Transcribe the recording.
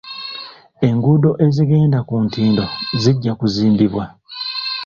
Enguudo ezigenda ku ntindo zijja kuzimbibwa.